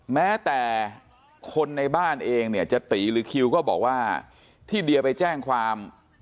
แม้แต่คนในบ้านเองเนี่ยจะตีหรือคิวก็บอกว่าที่เดียไปแจ้งความ